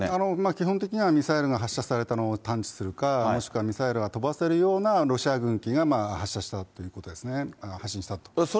基本的にはミサイルが発射されたのを探知するか、もしくはミサイルが飛ばせるようなロシア軍機が発射したということですね、発信したということです。